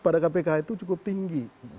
pada kpk itu cukup tinggi